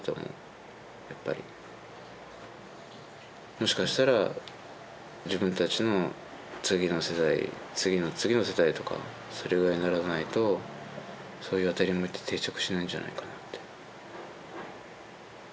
もしかしたら自分たちの次の世代次の次の世代とかそれぐらいにならないとそういう「当たり前」って定着しないんじゃないかなって。